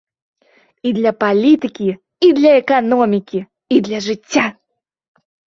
І для палітыкі, і для эканомікі, і для жыцця!